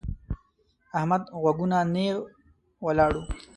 احمد غوږونه نېغ ولاړ وو.